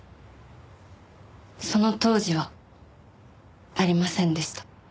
その当時はありませんでした。